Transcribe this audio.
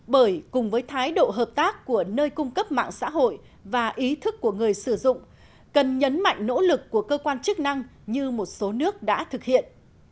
bởi cùng với thái độ hợp tác của nơi cung cấp mạng xã hội và ý thức của người sử dụng cần nhấn mạnh nỗ lực của cơ quan chức năng như một số nước đã thực hiện